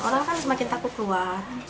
orang kan semakin takut keluar